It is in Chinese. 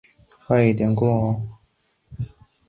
小笠原信兴是日本战国时代至安土桃山时代的武将。